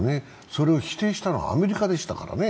それを否定したのはアメリカでしたからね。